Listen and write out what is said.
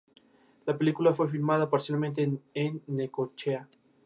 La película fue filmada parcialmente en Necochea.